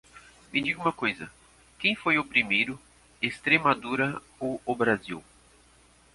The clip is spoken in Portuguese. Me diga uma coisa, quem foi o primeiro, Extremadura ou o Brasil?